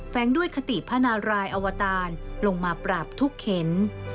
งด้วยคติพระนารายอวตารลงมาปราบทุกเข็น